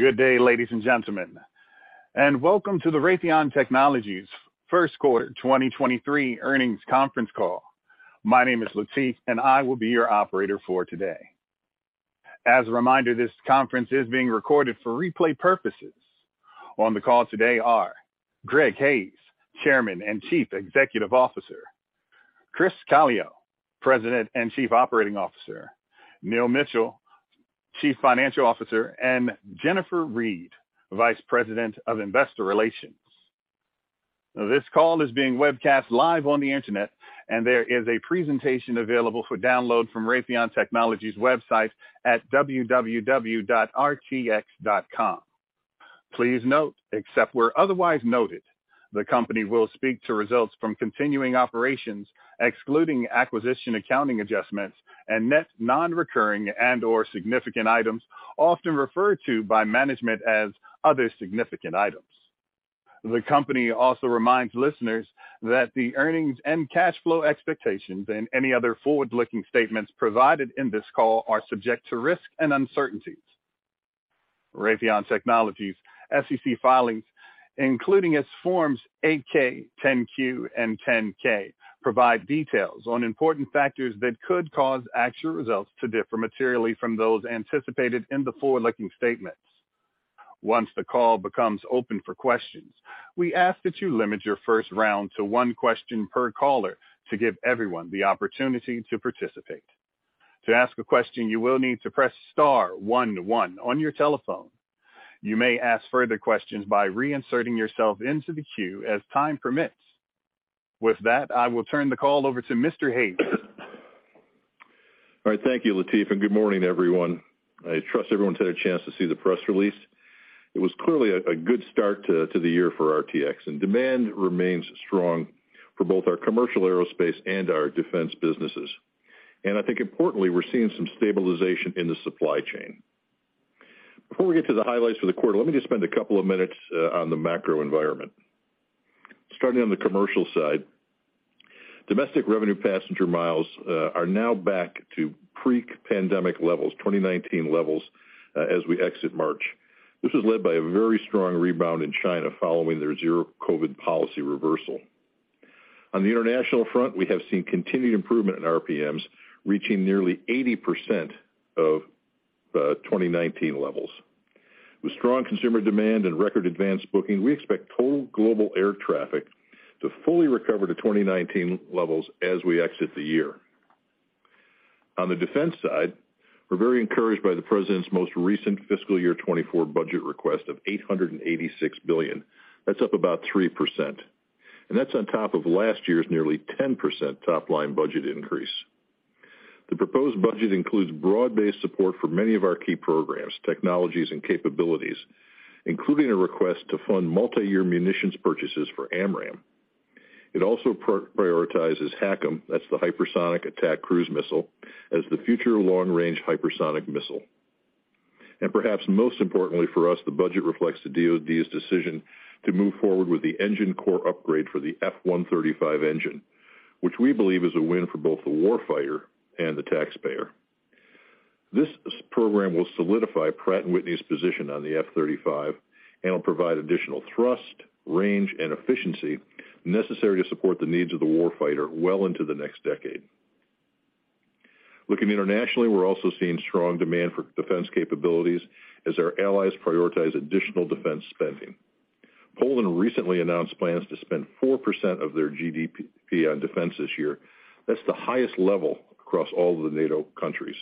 Good day, ladies and gentlemen, and welcome to the Raytheon Technologies first quarter 2023 earnings conference call. My name is Latif, and I will be your operator for today. As a reminder, this conference is being recorded for replay purposes. On the call today are Greg Hayes, Chairman and Chief Executive Officer, Chris Calio, President and Chief Operating Officer, Neil Mitchill, Chief Financial Officer, and Jennifer Reed, Vice President of Investor Relations. This call is being webcast live on the Internet, and there is a presentation available for download from Raytheon Technologies website at www.rtx.com. Please note, except where otherwise noted, the company will speak to results from continuing operations, excluding acquisition, accounting adjustments and net non-recurring and or significant items often referred to by management as other significant items. The company also reminds listeners that the earnings and cash flow expectations and any other forward-looking statements provided in this call are subject to risks and uncertainties. Raytheon Technologies SEC filings, including its forms, 8-K, 10-Q and 10-K provide details on important factors that could cause actual results to differ materially from those anticipated in the forward-looking statements. Once the call becomes open for questions, we ask that you limit your first round to one question per caller to give everyone the opportunity to participate. To ask a question, you will need to press star one on your telephone. You may ask further questions by reinserting yourself into the queue as time permits. With that, I will turn the call over to Mr. Hayes. All right. Thank you, Latif. Good morning, everyone. I trust everyone's had a chance to see the press release. It was clearly a good start to the year for RTX, demand remains strong for both our commercial aerospace and our defense businesses. I think importantly, we're seeing some stabilization in the supply chain. Before we get to the highlights for the quarter, let me just spend a couple of minutes on the macro environment. Starting on the commercial side, domestic Revenue Passenger Miles are now back to pre-pandemic levels, 2019 levels, as we exit March. This was led by a very strong rebound in China following their zero COVID policy reversal. On the international front, we have seen continued improvement in RPMs, reaching nearly 80% of 2019 levels. With strong consumer demand and record advanced booking, we expect total global air traffic to fully recover to 2019 levels as we exit the year. On the defense side, we're very encouraged by the president's most recent fiscal year 2024 budget request of $886 billion. That's up about 3%, and that's on top of last year's nearly 10% top-line budget increase. The proposed budget includes broad-based support for many of our key programs, technologies and capabilities, including a request to fund multiyear munitions purchases for AMRAAM. It also prioritizes HACM, that's the Hypersonic Attack Cruise Missile, as the future long-range hypersonic missile. Perhaps most importantly for us, the budget reflects the DoD's decision to move forward with the engine core upgrade for the F135 engine, which we believe is a win for both the warfighter and the taxpayer. This program will solidify Pratt & Whitney's position on the F-35 and will provide additional thrust, range, and efficiency necessary to support the needs of the warfighter well into the next decade. Looking internationally, we're also seeing strong demand for defense capabilities as our allies prioritize additional defense spending. Poland recently announced plans to spend 4% of their GDP on defense this year. That's the highest level across all of the NATO countries.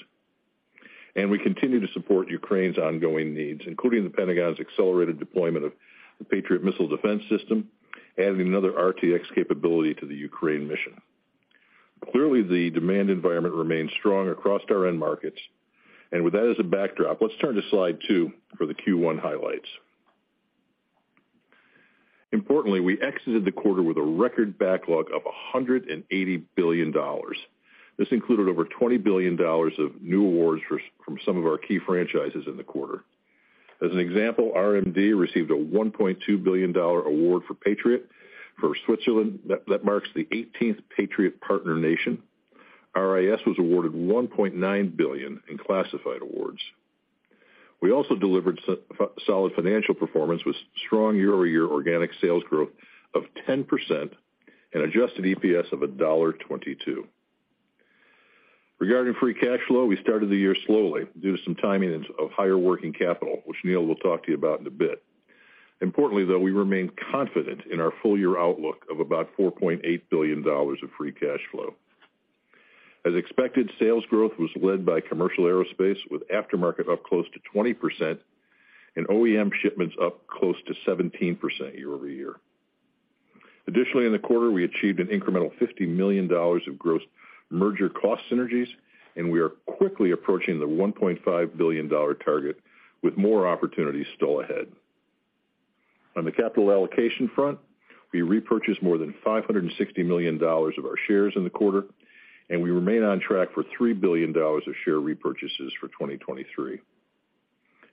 We continue to support Ukraine's ongoing needs, including The Pentagon's accelerated deployment of the Patriot missile defense system, adding another RTX capability to the Ukraine mission. Clearly, the demand environment remains strong across our end markets. With that as a backdrop, let's turn to slide two for the Q1 highlights. Importantly, we exited the quarter with a record backlog of $180 billion. This included over $20 billion of new awards from some of our key franchises in the quarter. As an example, RMD received a $1.2 billion award for Patriot for Switzerland that marks the 18th Patriot partner nation. RIS was awarded $1.9 billion in classified awards. We also delivered solid financial performance with strong year-over-year organic sales growth of 10% and adjusted EPS of $1.22. Regarding free cash flow, we started the year slowly due to some timing of higher working capital, which Neil will talk to you about in a bit. Importantly, though, we remain confident in our full-year outlook of about $4.8 billion of free cash flow. As expected, sales growth was led by commercial aerospace, with aftermarket up close to 20% and OEM shipments up close to 17% year-over-year. In the quarter, we achieved an incremental $50 million of gross merger cost synergies, and we are quickly approaching the $1.5 billion target with more opportunities still ahead. On the capital allocation front, we repurchased more than $560 million of our shares in the quarter, and we remain on track for $3 billion of share repurchases for 2023.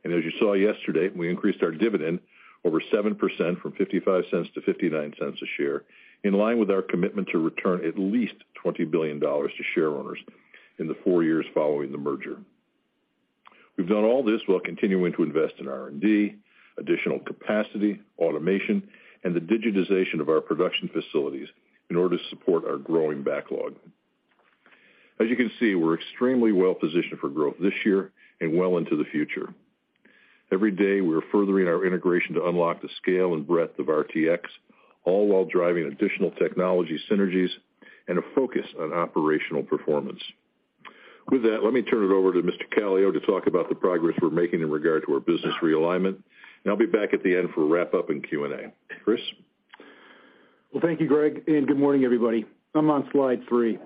As you saw yesterday, we increased our dividend over 7% from $0.55 to $0.59 a share, in line with our commitment to return at least $20 billion to shareholders in the four years following the merger. We've done all this while continuing to invest in R&D, additional capacity, automation, and the digitization of our production facilities in order to support our growing backlog. As you can see, we're extremely well-positioned for growth this year and well into the future. Every day, we are furthering our integration to unlock the scale and breadth of RTX, all while driving additional technology synergies and a focus on operational performance. With that, let me turn it over to Mr. Calio to talk about the progress we're making in regard to our business realignment, and I'll be back at the end for a wrap-up in Q&A. Chris? Well, thank you, Greg, good morning, everybody. I'm on slide three.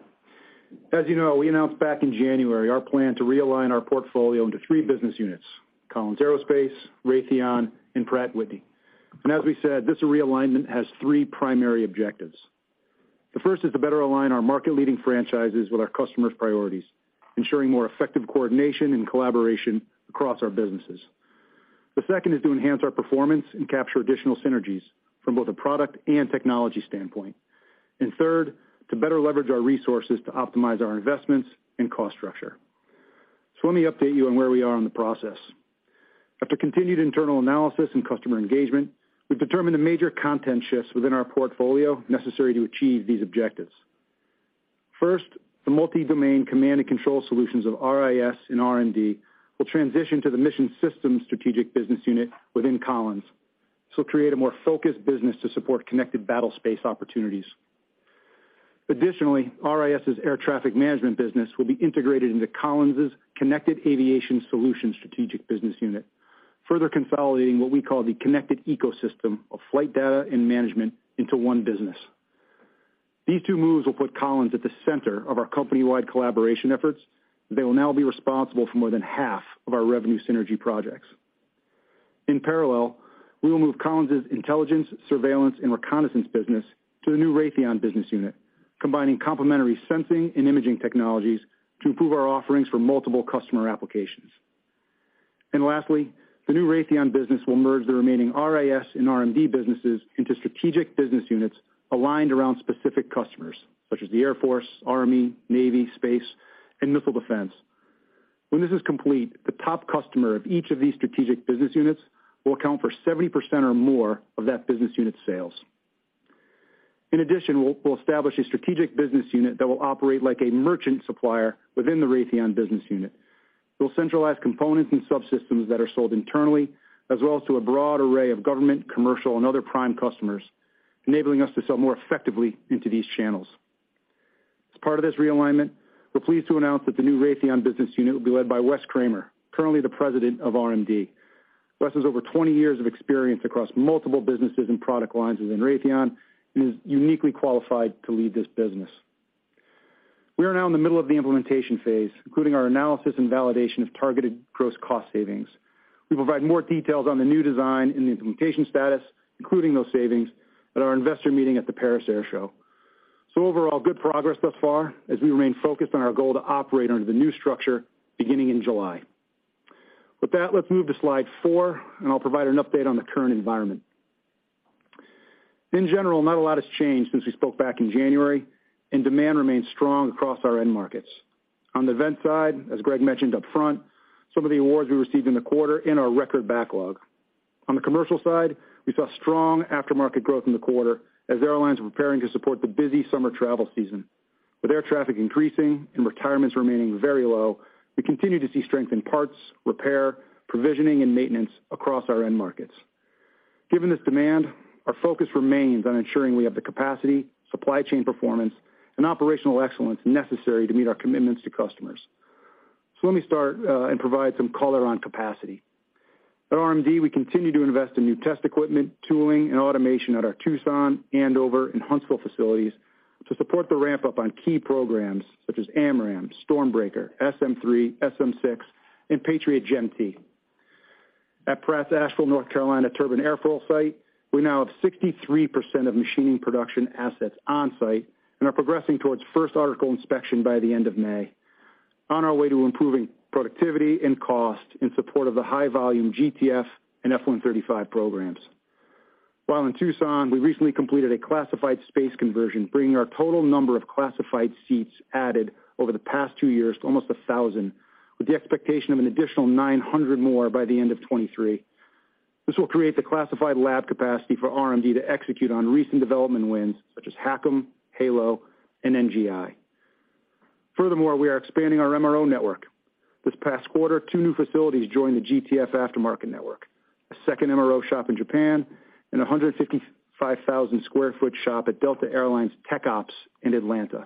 As you know, we announced back in January our plan to realign our portfolio into three business units, Collins Aerospace, Raytheon, and Pratt & Whitney. As we said, this realignment has three primary objectives. The first is to better align our market-leading franchises with our customers' priorities, ensuring more effective coordination and collaboration across our businesses. The second is to enhance our performance and capture additional synergies from both a product and technology standpoint. Third, to better leverage our resources to optimize our investments and cost structure. Let me update you on where we are in the process. After continued internal analysis and customer engagement, we've determined the major content shifts within our portfolio necessary to achieve these objectives. First, the multi-domain command and control solutions of RIS and RMD will transition to the Mission Systems strategic business unit within Collins. This will create a more focused business to support connected battlespace opportunities. Additionally, RIS' air traffic management business will be integrated into Collins' Connected Aviation Solutions strategic business unit, further consolidating what we call the connected ecosystem of flight data and management into one business. These two moves will put Collins at the center of our company-wide collaboration efforts. They will now be responsible for more than half of our revenue synergy projects. In parallel, we will move Collins' intelligence, surveillance, and reconnaissance business to the new Raytheon business unit, combining complementary sensing and imaging technologies to improve our offerings for multiple customer applications. Lastly, the new Raytheon business will merge the remaining RIS and RMD businesses into strategic business units aligned around specific customers, such as the Air Force, Army, Navy, space, and Missile Defense. When this is complete, the top customer of each of these strategic business units will account for 70% or more of that business unit sales. In addition, we'll establish a strategic business unit that will operate like a merchant supplier within the Raytheon business unit. We'll centralize components and subsystems that are sold internally, as well as to a broad array of government, commercial, and other prime customers, enabling us to sell more effectively into these channels. As part of this realignment, we're pleased to announce that the new Raytheon business unit will be led by Wes Kremer, currently the President of RMD. Wes has over 20 years of experience across multiple businesses and product lines within Raytheon and is uniquely qualified to lead this business. We are now in the middle of the implementation phase, including our analysis and validation of targeted gross cost savings. We provide more details on the new design and the implementation status, including those savings, at our investor meeting at the Paris Air Show. Overall, good progress thus far as we remain focused on our goal to operate under the new structure beginning in July. With that, let's move to slide four, and I'll provide an update on the current environment. In general, not a lot has changed since we spoke back in January, and demand remains strong across our end markets. On the event side, as Greg mentioned up front, some of the awards we received in the quarter and our record backlog. On the commercial side, we saw strong aftermarket growth in the quarter as airlines were preparing to support the busy summer travel season. With air traffic increasing and retirements remaining very low, we continue to see strength in parts, repair, provisioning, and maintenance across our end markets. Given this demand, our focus remains on ensuring we have the capacity, supply chain performance, and operational excellence necessary to meet our commitments to customers. Let me start and provide some color on capacity. At RMD, we continue to invest in new test equipment, tooling, and automation at our Tucson, Andover, and Huntsville facilities to support the ramp-up on key programs such as AMRAAM, Stormbreaker, SM-3, SM-6, and Patriot GEM-T. At Pratt's Asheville, North Carolina turbine airflow site, we now have 63% of machining production assets on-site and are progressing towards First Article Inspection by the end of May, on our way to improving productivity and cost in support of the high volume GTF and F135 programs. In Tucson, we recently completed a classified space conversion, bringing our total number of classified seats added over the past two years to almost 1,000, with the expectation of an additional 900 more by the end of 2023. This will create the classified lab capacity for RMD to execute on recent development wins such as HACM, HALO, and NGI. We are expanding our MRO network. This past quarter, two new facilities joined the GTF aftermarket network, a second MRO shop in Japan, and a 155,000 sq ft shop at Delta TechOps in Atlanta.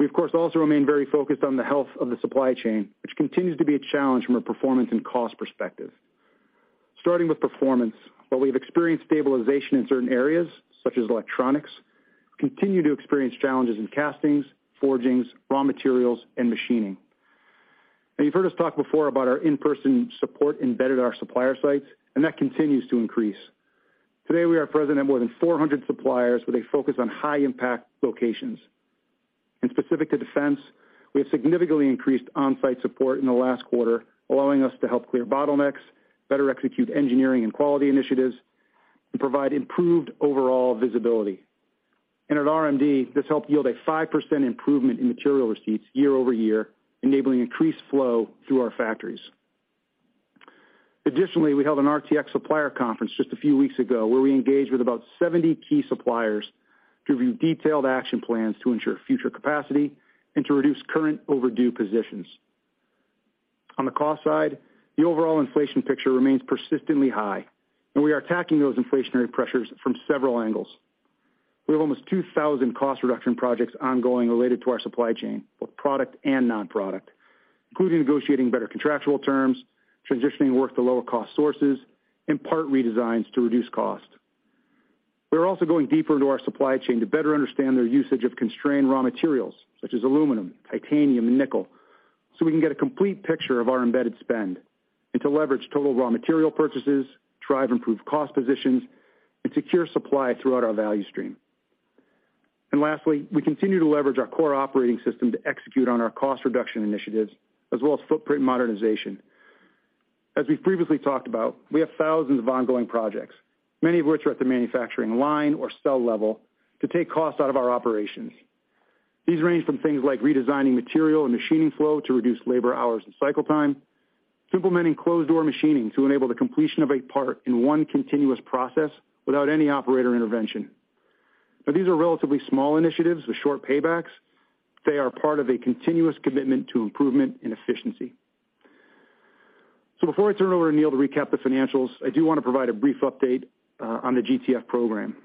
We, of course, also remain very focused on the health of the supply chain, which continues to be a challenge from a performance and cost perspective. Starting with performance, while we've experienced stabilization in certain areas, such as electronics, we continue to experience challenges in castings, forgings, raw materials, and machining. You've heard us talk before about our in-person support embedded at our supplier sites, and that continues to increase. Today, we are present at more than 400 suppliers with a focus on high impact locations. Specific to defense, we have significantly increased on-site support in the last quarter, allowing us to help clear bottlenecks, better execute engineering and quality initiatives and provide improved overall visibility. At RMD, this helped yield a 5% improvement in material receipts year-over-year, enabling increased flow through our factories. Additionally, we held an RTX supplier conference just a few weeks ago, where we engaged with about 70 key suppliers to review detailed action plans to ensure future capacity and to reduce current overdue positions. On the cost side, the overall inflation picture remains persistently high, and we are attacking those inflationary pressures from several angles. We have almost 2,000 cost reduction projects ongoing related to our supply chain, both product and non-product, including negotiating better contractual terms, transitioning work to lower cost sources, and part redesigns to reduce cost. We're also going deeper into our supply chain to better understand their usage of constrained raw materials such as aluminum, titanium, and nickel, so we can get a complete picture of our embedded spend and to leverage total raw material purchases, drive improved cost positions, and secure supply throughout our value stream. Lastly, we continue to leverage our core operating system to execute on our cost reduction initiatives as well as footprint modernization. As we've previously talked about, we have thousands of ongoing projects, many of which are at the manufacturing line or cell level to take costs out of our operations. These range from things like redesigning material and machining flow to reduce labor hours and cycle time, to implementing closed-door machining to enable the completion of a part in one continuous process without any operator intervention. These are relatively small initiatives with short paybacks. They are part of a continuous commitment to improvement and efficiency. Before I turn it over to Neil to recap the financials, I do wanna provide a brief update on the GTF program.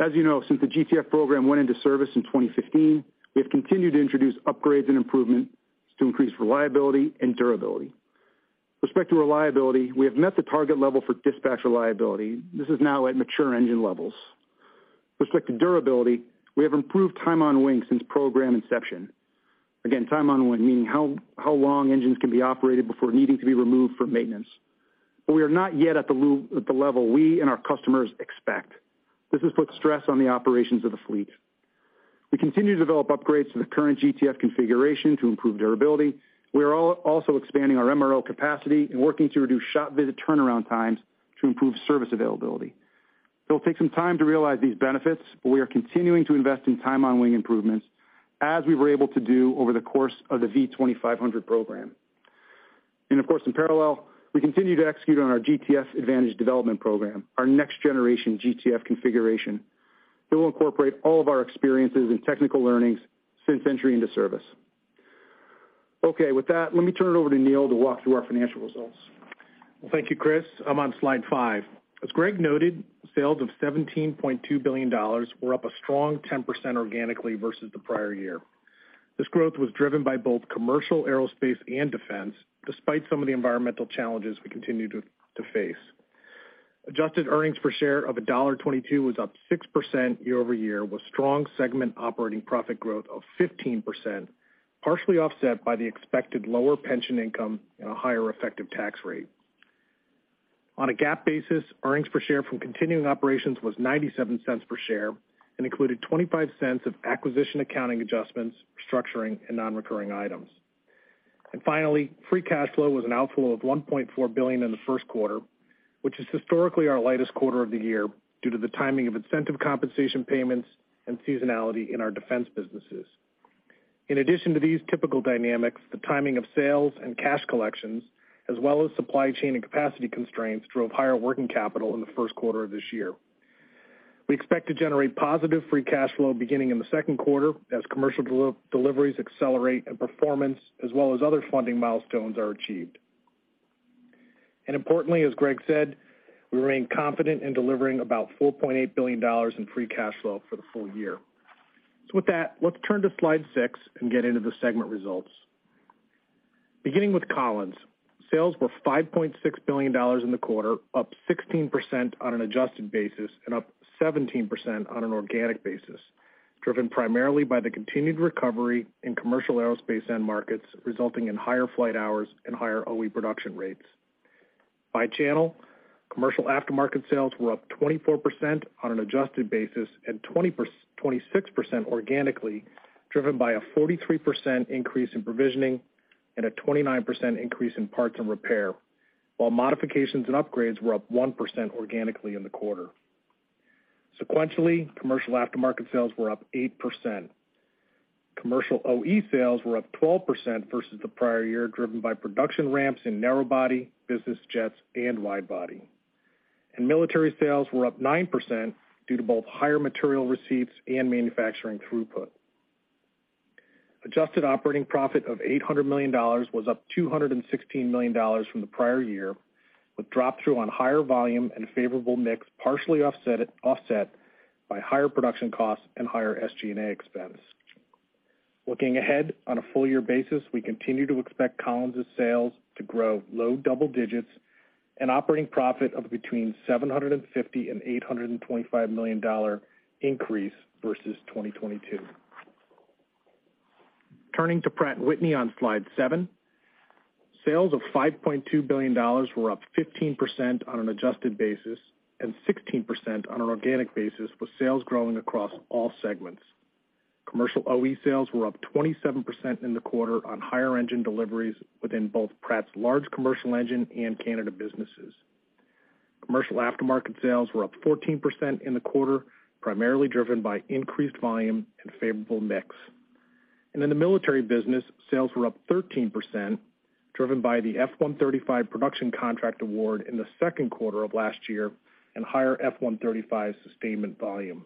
As you know, since the GTF program went into service in 2015, we have continued to introduce upgrades and improvements to increase reliability and durability. With respect to reliability, we have met the target level for dispatch reliability. This is now at mature engine levels. With respect to durability, we have improved time on wing since program inception. Again, time on wing, meaning how long engines can be operated before needing to be removed for maintenance. We are not yet at the level we and our customers expect. This has put stress on the operations of the fleet. We continue to develop upgrades to the current GTF configuration to improve durability. We are also expanding our MRO capacity and working to reduce shop visit turnaround times to improve service availability. It'll take some time to realize these benefits, but we are continuing to invest in time on wing improvements as we were able to do over the course of the V2500 program. Of course, in parallel, we continue to execute on our GTF Advantage development program, our next generation GTF configuration, that will incorporate all of our experiences and technical learnings since entering into service. Okay. With that, let me turn it over to Neil to walk through our financial results. Well, thank you, Chris. I'm on slide five. As Greg noted, sales of $17.2 billion were up a strong 10% organically versus the prior year. This growth was driven by both commercial aerospace and defense, despite some of the environmental challenges we continue to face. Adjusted earnings per share of $1.22 was up 6% year-over-year, with strong segment operating profit growth of 15%, partially offset by the expected lower pension income and a higher effective tax rate. On a GAAP basis, earnings per share from continuing operations was $0.97 per share and included $0.25 of acquisition accounting adjustments, restructuring, and non-recurring items. Finally, free cash flow was an outflow of $1.4 billion in the first quarter, which is historically our lightest quarter of the year due to the timing of incentive compensation payments and seasonality in our defense businesses. In addition to these typical dynamics, the timing of sales and cash collections, as well as supply chain and capacity constraints, drove higher working capital in the first quarter of this year. We expect to generate positive free cash flow beginning in the second quarter as commercial deliveries accelerate and performance, as well as other funding milestones are achieved. Importantly, as Greg said, we remain confident in delivering about $4.8 billion in free cash flow for the full year. With that, let's turn to slide 6 and get into the segment results. Beginning with Collins, sales were $5.6 billion in the quarter, up 16% on an adjusted basis and up 17% on an organic basis, driven primarily by the continued recovery in commercial aerospace end markets, resulting in higher flight hours and higher OE production rates. By channel, commercial aftermarket sales were up 24% on an adjusted basis and 26% organically, driven by a 43% increase in provisioning and a 29% increase in parts and repair, while modifications and upgrades were up 1% organically in the quarter. Sequentially, commercial aftermarket sales were up 8%. Commercial OE sales were up 12% versus the prior year, driven by production ramps in narrow body, business jets, and wide body. Military sales were up 9% due to both higher material receipts and manufacturing throughput. Adjusted operating profit of $800 million was up $216 million from the prior year, with drop-through on higher volume and favorable mix partially offset by higher production costs and higher SG&A expense. Looking ahead, on a full year basis, we continue to expect Collins' sales to grow low double digits and operating profit of between $750 million and $825 million increase versus 2022. Turning to Pratt & Whitney on slide seven. Sales of $5.2 billion were up 15% on an adjusted basis and 16% on an organic basis, with sales growing across all segments. Commercial OE sales were up 27% in the quarter on higher engine deliveries within both Pratt's large commercial engine and Canada businesses. Commercial aftermarket sales were up 14% in the quarter, primarily driven by increased volume and favorable mix. In the military business, sales were up 13%, driven by the F135 production contract award in the second quarter of last year and higher F135 sustainment volume.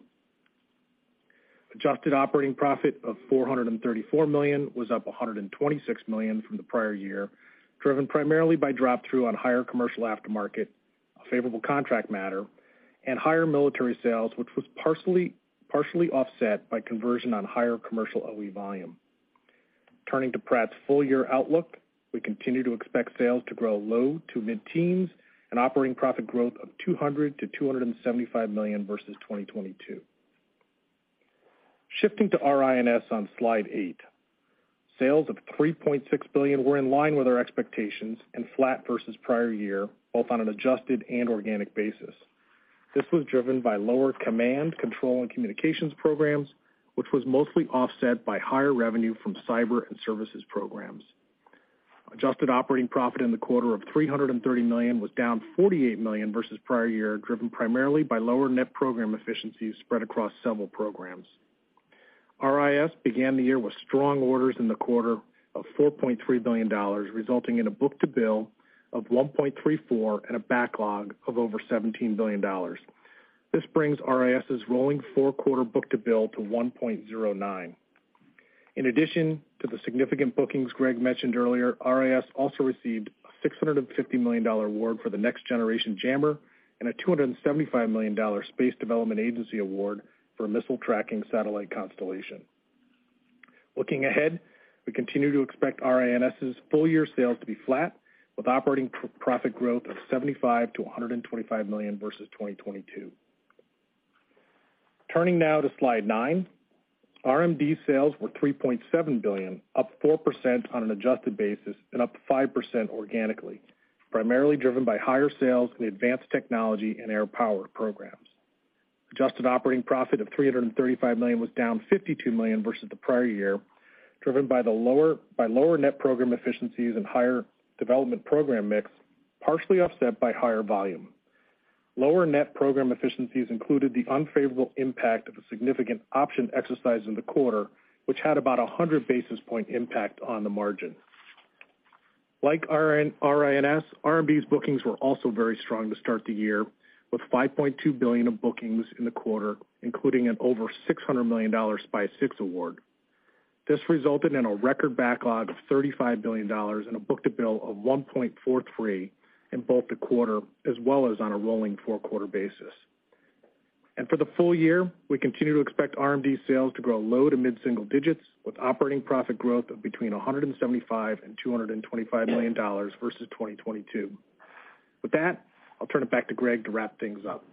Adjusted operating profit of $434 million was up $126 million from the prior year, driven primarily by drop through on higher commercial aftermarket, a favorable contract matter, and higher military sales, which was partially offset by conversion on higher commercial OE volume. Turning to Pratt's full-year outlook, we continue to expect sales to grow low to mid-teens and operating profit growth of $200 million-$275 million versus 2022. Shifting to RIS on slide eight. Sales of $3.6 billion were in line with our expectations and flat versus prior year, both on an adjusted and organic basis. This was driven by lower command, control and communications programs, which was mostly offset by higher revenue from cyber and services programs. Adjusted operating profit in the quarter of $330 million was down $48 million versus prior year, driven primarily by lower net program efficiencies spread across several programs. RIS began the year with strong orders in the quarter of $4.3 billion, resulting in a book-to-bill of 1.34 and a backlog of over $17 billion. This brings RIS' rolling four quarter book-to-bill to 1.09. In addition to the significant bookings Greg mentioned earlier, RIS also received a $650 million award for the Next Generation Jammer and a $275 million Space Development Agency award for missile tracking satellite constellation. Looking ahead, we continue to expect RIS' full-year sales to be flat with operating profit growth of $75 million-$125 million versus 2022. Turning now to slide 9. RMD sales were $3.7 billion, up 4% on an adjusted basis and up 5% organically, primarily driven by higher sales in the advanced technology and air power programs. Adjusted operating profit of $335 million was down $52 million versus the prior year, driven by lower net program efficiencies and higher development program mix, partially offset by higher volume. Lower net program efficiencies included the unfavorable impact of a significant option exercise in the quarter, which had about a 100 basis point impact on the margin. Like RIS, RMD's bookings were also very strong to start the year with $5.2 billion of bookings in the quarter, including an over $600 million SPY-6 award. This resulted in a record backlog of $35 billion and a book-to-bill of 1.43 in both the quarter as well as on a rolling four-quarter basis. For the full year, we continue to expect RMD sales to grow low to mid-single digits, with operating profit growth of between $175 million and $225 million versus 2022. With that, I'll turn it back to Greg to wrap things up.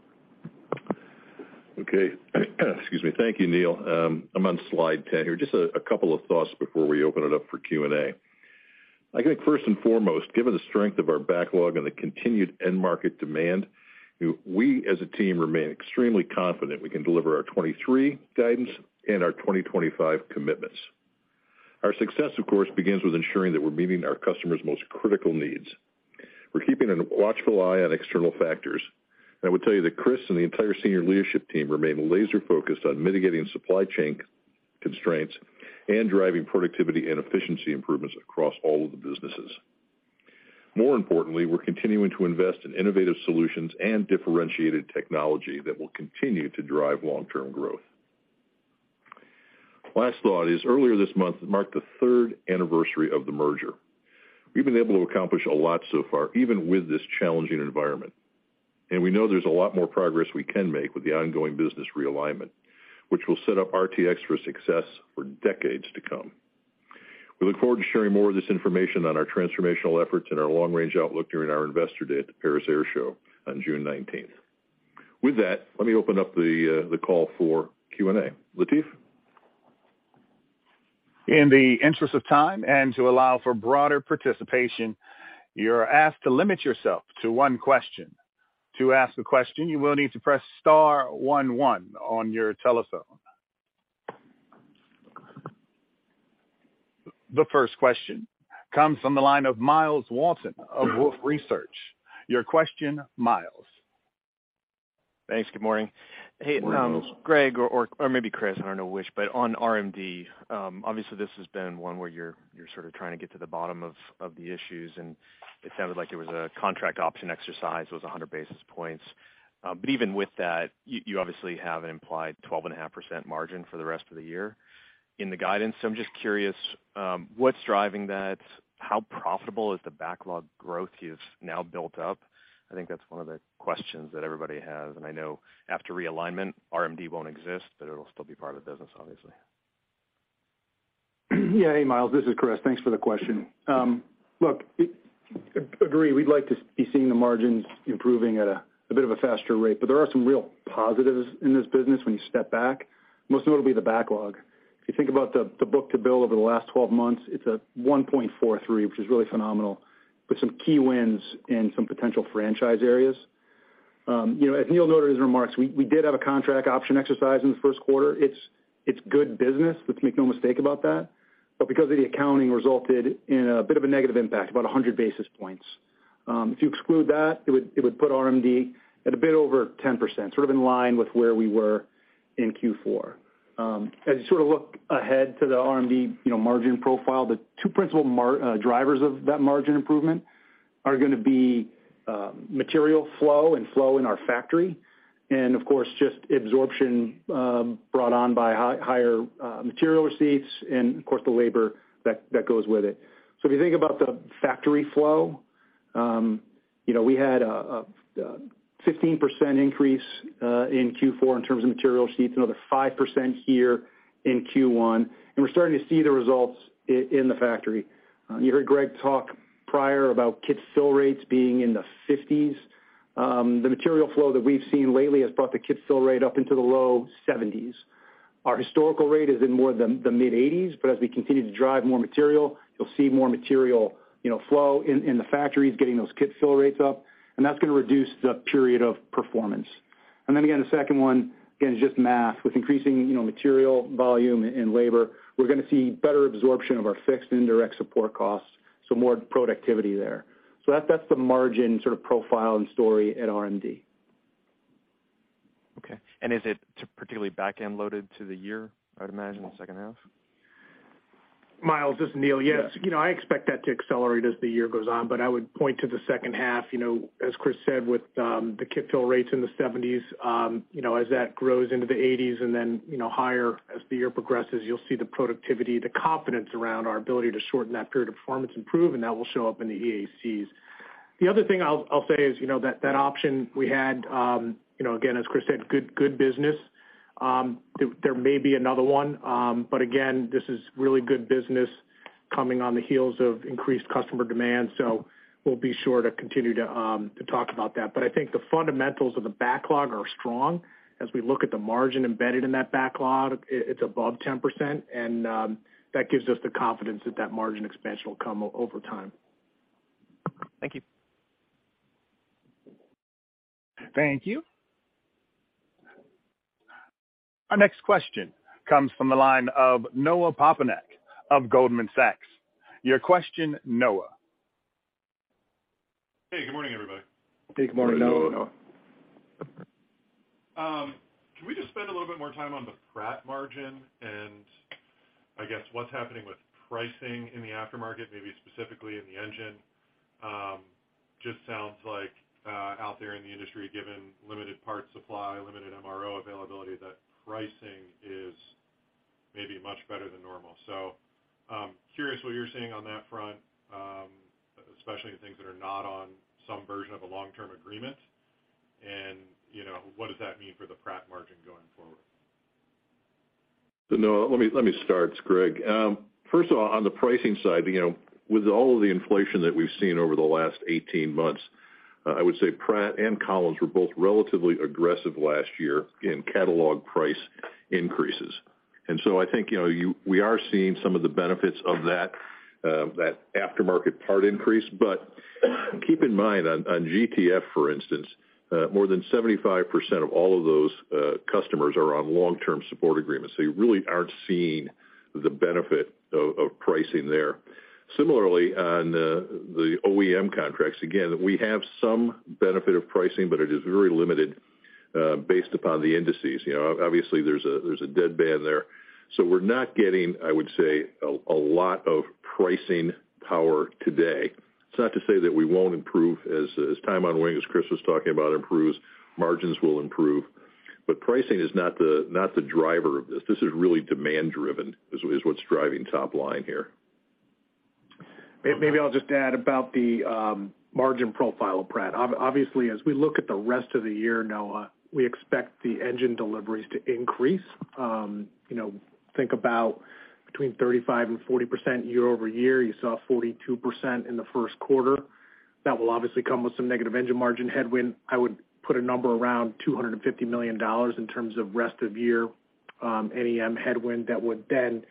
Okay. Excuse me. Thank you, Neil. I'm on slide 10 here. Just a couple of thoughts before we open it up for Q&A. I think first and foremost, given the strength of our backlog and the continued end market demand, we, as a team, remain extremely confident we can deliver our 23 guidance and our 2025 commitments. Our success, of course, begins with ensuring that we're meeting our customers' most critical needs. We're keeping a watchful eye on external factors. I would tell you that Chris and the entire senior leadership team remain laser-focused on mitigating supply chain constraints and driving productivity and efficiency improvements across all of the businesses. We're continuing to invest in innovative solutions and differentiated technology that will continue to drive long-term growth. Last thought is, earlier this month marked the third anniversary of the merger. We've been able to accomplish a lot so far, even with this challenging environment. We know there's a lot more progress we can make with the ongoing business realignment, which will set up RTX for success for decades to come. We look forward to sharing more of this information on our transformational efforts and our long-range outlook during our Investor Day at the Paris Air Show on June 19th. With that, let me open up the call for Q&A. Latif? In the interest of time and to allow for broader participation, you're asked to limit yourself to one question. To ask a question, you will need to press star one one on your telephone. The first question comes from the line of Myles Walton of Wolfe Research. Your question, Myles. Thanks. Good morning. Morning, Myles. Hey, Greg or maybe Chris, I don't know which. On RMD, obviously this has been one where you're sort of trying to get to the bottom of the issues, and it sounded like it was a contract option exercise, was 100 basis points. Even with that, you obviously have an implied 12.5% margin for the rest of the year in the guidance. I'm just curious, what's driving that? How profitable is the backlog growth you've now built up? I think that's one of the questions that everybody has. I know after realignment, RMD won't exist, but it'll still be part of the business, obviously. Yeah. Hey, Myles, this is Chris. Thanks for the question. Look, Agree, we'd like to be seeing the margins improving at a bit of a faster rate, but there are some real positives in this business when you step back, most notably the backlog. If you think about the book-to-bill over the last 12 months, it's at 1.43, which is really phenomenal, with some key wins in some potential franchise areas. You know, as Neil noted in his remarks, we did have a contract option exercise in the first quarter. It's good business, let's make no mistake about that. Because of the accounting resulted in a bit of a negative impact, about 100 basis points. If you exclude that, it would put RMD at a bit over 10%, sort of in line with where we were in Q4. As you sort of look ahead to the RMD, you know, margin profile, the two principal drivers of that margin improvement are gonna be material flow and flow in our factory. Of course, just absorption, brought on by higher material receipts and of course the labor that goes with it. If you think about the factory flow, you know, we had a 15% increase in Q4 in terms of material sheets, another 5% here in Q1, we're starting to see the results in the factory. You heard Greg talk prior about kit fill rates being in the 50s. The material flow that we've seen lately has brought the kit fill rate up into the low 70s. Our historical rate is in more the mid-80s, as we continue to drive more material, you'll see more material, you know, flow in the factories, getting those kit fill rates up, and that's gonna reduce the period of performance. Again, the second one, again, is just math. With increasing, you know, material volume and labor, we're gonna see better absorption of our fixed indirect support costs, so more productivity there. That's the margin sort of profile and story at RMD. Okay. Is it particularly back-end loaded to the year, I'd imagine the second half? Myles, this is Neil. Yes. You know, I expect that to accelerate as the year goes on, but I would point to the second half. You know, as Chris said, with the kit fill rates in the 70s, as that grows into the 80s and then, you know, higher as the year progresses, you'll see the productivity, the confidence around our ability to shorten that period of performance improve, and that will show up in the EACs. The other thing I'll say is, you know, that option we had, you know, again, as Chris said, good business. There may be another one. But again, this is really good business coming on the heels of increased customer demand, so we'll be sure to continue to talk about that. I think the fundamentals of the backlog are strong. As we look at the margin embedded in that backlog, it's above 10%, and that gives us the confidence that that margin expansion will come over time. Thank you. Thank you. Our next question comes from the line of Noah Poponak of Goldman Sachs. Your question, Noah. Hey, good morning, everybody. Hey, good morning, Noah. Good morning, Noah. Can we just spend a little bit more time on the Pratt margin and I guess what's happening with pricing in the aftermarket, maybe specifically in the engine? Just sounds like, out there in the industry, given limited parts supply, limited MRO availability, that pricing is maybe much better than normal. Curious what you're seeing on that front, especially the things that are not on some version of a long-term agreement. You know, what does that mean for the Pratt margin going forward? Noah, let me start. It's Greg. First of all, on the pricing side, you know, with all of the inflation that we've seen over the last 18 months, I would say Pratt and Collins were both relatively aggressive last year in catalog price increases. I think, you know, we are seeing some of the benefits of that aftermarket part increase. Keep in mind on GTF, for instance, more than 75% of all of those customers are on long-term support agreements, so you really aren't seeing the benefit of pricing there. Similarly, on the OEM contracts, again, we have some benefit of pricing, but it is very limited based upon the indices. You know, obviously, there's a deadband there. We're not getting, I would say, a lot of pricing power today. It's not to say that we won't improve as time on wing, as Chris was talking about, improves, margins will improve. Pricing is not the driver of this. This is really demand-driven is what's driving top line here. Maybe I'll just add about the margin profile of Pratt. Obviously, as we look at the rest of the year, Noah, we expect the engine deliveries to increase. You know, think about between 35% and 40% year-over-year. You saw 42% in the first quarter. That will obviously come with some negative engine margin headwind. I would put a number around $250 million in terms of rest of year NEM headwind that would then,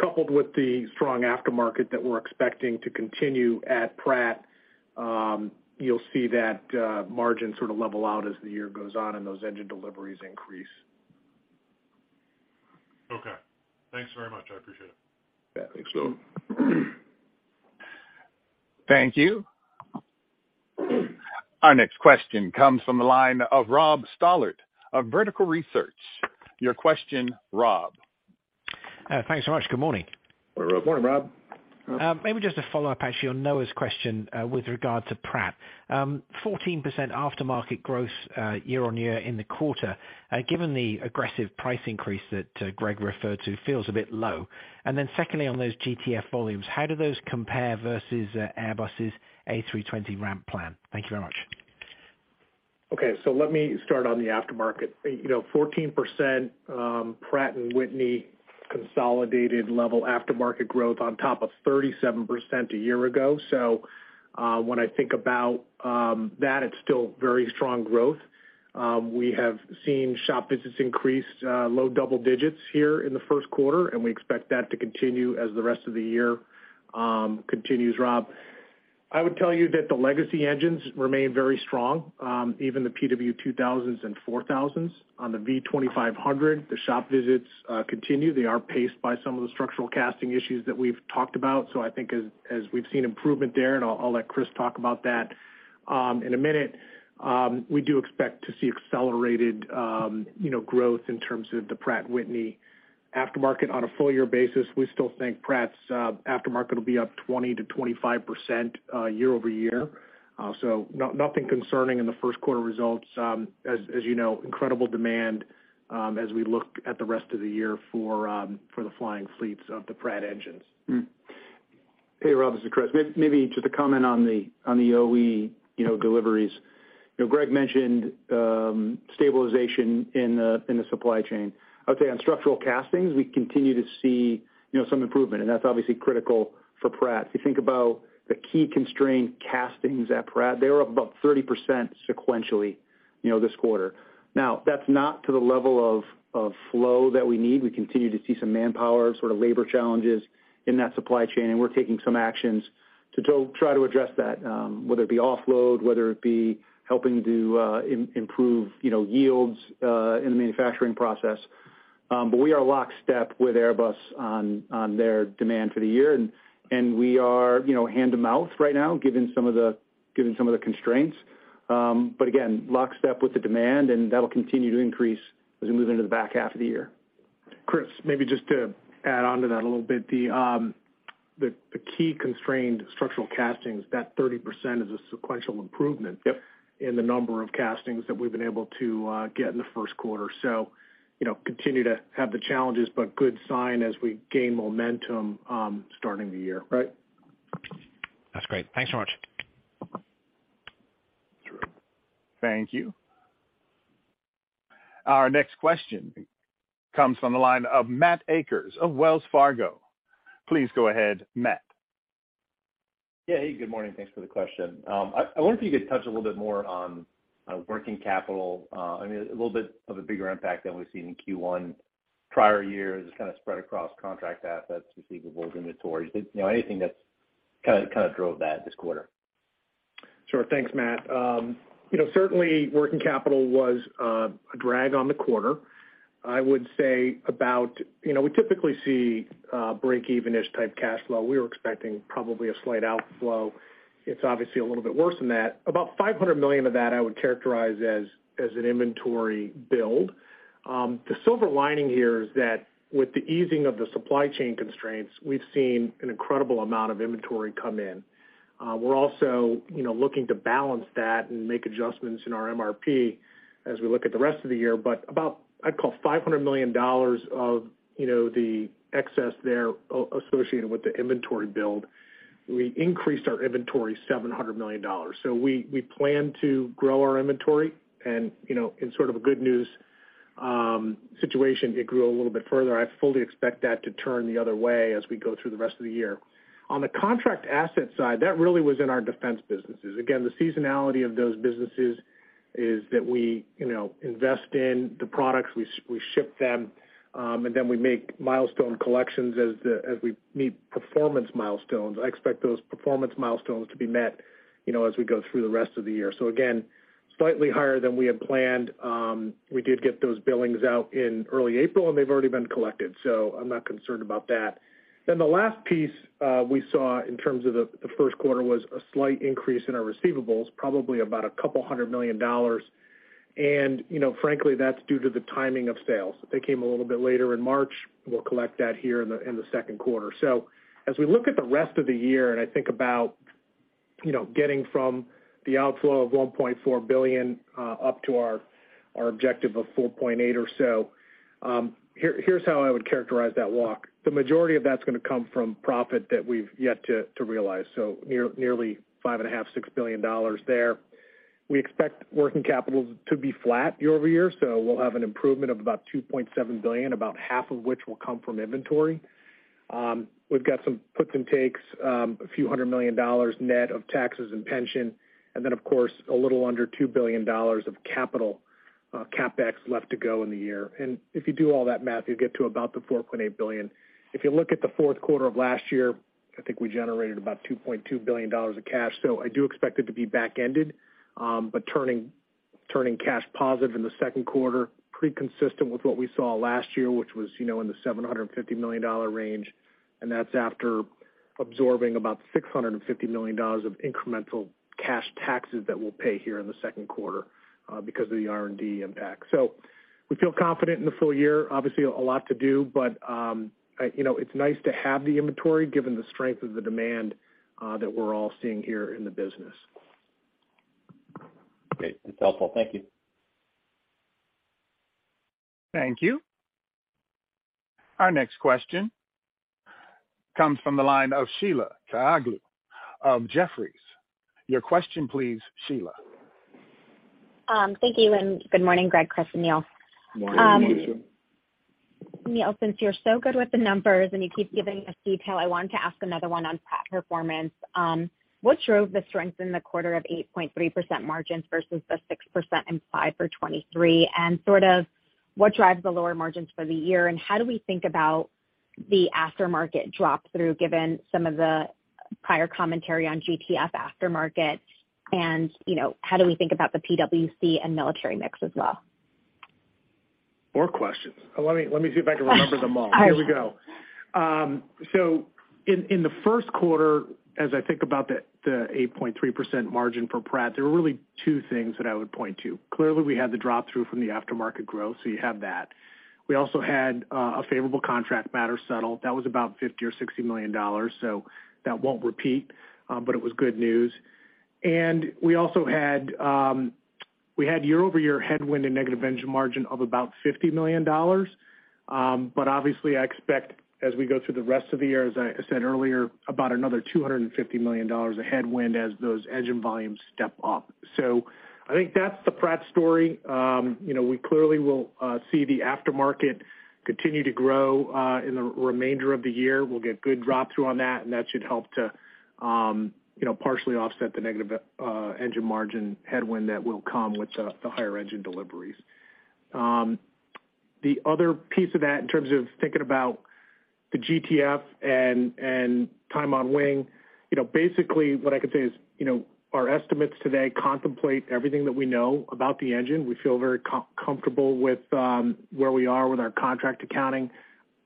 coupled with the strong aftermarket that we're expecting to continue at Pratt, you'll see that margin sort of level out as the year goes on and those engine deliveries increase. Okay. Thanks very much. I appreciate it. Yeah. Thanks, Noah. Thank you. Our next question comes from the line of Rob Stallard of Vertical Research. Your question, Rob. Thanks so much. Good morning. Morning, Rob. Maybe just a follow-up actually on Noah's question with regard to Pratt. 14% aftermarket growth year-over-year in the quarter given the aggressive price increase that Greg referred to feels a bit low. Secondly, on those GTF volumes, how do those compare versus Airbus' A320 ramp plan? Thank you very much. Okay. Let me start on the aftermarket. You know, 14% Pratt & Whitney consolidated level aftermarket growth on top of 37% a year ago. When I think about that it's still very strong growth. We have seen shop visits increase low double digits here in the first quarter, and we expect that to continue as the rest of the year continues, Rob. I would tell you that the legacy engines remain very strong, even the PW2000s and 4000s. On the V2500, the shop visits continue. They are paced by some of the structural casting issues that we've talked about. I think as we've seen improvement there, and I'll let Chris talk about that in a minute, we do expect to see accelerated, you know, growth in terms of the Pratt & Whitney aftermarket. On a full year basis, we still think Pratt's aftermarket will be up 20%-25% year-over-year. Nothing concerning in the first quarter results. As you know, incredible demand as we look at the rest of the year for the flying fleets of the Pratt engines. Hey, Rob, this is Chris. Maybe just a comment on the OE, you know, deliveries. You know, Greg mentioned stabilization in the supply chain. I would say on structural castings, we continue to see, you know, some improvement, and that's obviously critical for Pratt. If you think about the key constrained castings at Pratt, they were up about 30% sequentially, you know, this quarter. That's not to the level of flow that we need. We continue to see some manpower sort of labor challenges in that supply chain, and we're taking some actions to try to address that, whether it be offload, whether it be helping to improve, you know, yields in the manufacturing process. We are lockstep with Airbus on their demand for the year, and we are, you know, hand to mouth right now, given some of the constraints. Again, lockstep with the demand, and that'll continue to increase as we move into the back half of the year. Chris, maybe just to add onto that a little bit. The key constrained structural castings, that 30% is a sequential improvement. Yep in the number of castings that we've been able to get in the first quarter. You know, continue to have the challenges, but good sign as we gain momentum, starting the year. Right. That's great. Thanks so much. Thank you. Our next question comes from the line of Matthew Akers of Wells Fargo. Please go ahead, Matt. Yeah. Hey, good morning. Thanks for the question. I wonder if you could touch a little bit more on working capital. I mean, a little bit of a bigger impact than we've seen in Q1 prior years. It's kind of spread across contract assets, receivables, inventories. You know, anything that's kind of drove that this quarter? Sure. Thanks, Matt. you know, certainly working capital was a drag on the quarter. You know, we typically see a breakeven-ish type cash flow. We were expecting probably a slight outflow. It's obviously a little bit worse than that. About $500 million of that I would characterize as an inventory build. The silver lining here is that with the easing of the supply chain constraints, we've seen an incredible amount of inventory come in. We're also, you know, looking to balance that and make adjustments in our MRP as we look at the rest of the year. About, I'd call $500 million of, you know, the excess there associated with the inventory build. We increased our inventory $700 million. We plan to grow our inventory. you know, in sort of a good news situation, it grew a little bit further. I fully expect that to turn the other way as we go through the rest of the year. On the contract asset side, that really was in our defense businesses. Again, the seasonality of those businesses is that we, you know, invest in the products, we ship them, and then we make milestone collections as we meet performance milestones. I expect those performance milestones to be met, you know, as we go through the rest of the year. Again, slightly higher than we had planned. We did get those billings out in early April, and they've already been collected, so I'm not concerned about that. The last piece we saw in terms of the first quarter was a slight increase in our receivables, probably about $200 million. You know, frankly, that's due to the timing of sales. They came a little bit later in March. We'll collect that here in the second quarter. As we look at the rest of the year, and I think about, you know, getting from the outflow of $1.4 billion up to our objective of $4.8 billion or so, here's how I would characterize that walk. The majority of that's gonna come from profit that we've yet to realize, so nearly $5.5 billion-$6 billion there. We expect working capital to be flat year over year, so we'll have an improvement of about $2.7 billion, about half of which will come from inventory. We've got some puts and takes, a few hundred million dollars net of taxes and pension, of course, a little under $2 billion of capital, CapEx left to go in the year. If you do all that math, you'll get to about the $4.8 billion. If you look at the fourth quarter of last year, I think we generated about $2.2 billion of cash. I do expect it to be back-ended, but turning cash positive in the second quarter, pretty consistent with what we saw last year, which was, you know, in the $750 million range. That's after absorbing about $650 million of incremental cash taxes that we'll pay here in the second quarter, because of the R&D impact. We feel confident in the full year. Obviously, a lot to do, but, you know, it's nice to have the inventory given the strength of the demand, that we're all seeing here in the business. Great. That's helpful. Thank you. Thank you. Our next question comes from the line of Sheila Kahyaoglu of Jefferies. Your question, please, Sheila. Thank you, good morning, Greg, Chris, and Neil. Good morning. Neil, since you're so good with the numbers and you keep giving us detail, I wanted to ask another one on Pratt performance. What drove the strength in the quarter of 8.3% margins versus the 6% implied for 2023? Sort of what drives the lower margins for the year, and how do we think about... The aftermarket drop through, given some of the prior commentary on GTF aftermarket, and, you know, how do we think about the PWC and military mix as well? More questions. Let me see if I can remember them all. Here we go. In the first quarter, as I think about the 8.3% margin for Pratt, there were really two things that I would point to. Clearly, we had the drop through from the aftermarket growth, so you have that. We also had a favorable contract matter settled that was about $50 million-$60 million, so that won't repeat. It was good news. We also had year-over-year headwind and negative engine margin of about $50 million. Obviously I expect as we go through the rest of the year, as I said earlier, about another $250 million of headwind as those engine volumes step up. I think that's the Pratt story. You know, we clearly will see the aftermarket continue to grow in the remainder of the year. We'll get good drop through on that, and that should help to, you know, partially offset the negative engine margin headwind that will come with the higher engine deliveries. The other piece of that in terms of thinking about the GTF and time on wing, you know, basically what I can say is, you know, our estimates today contemplate everything that we know about the engine. We feel very comfortable with where we are with our contract accounting.